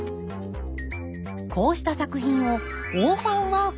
こうした作品をオーファンワークスといいます。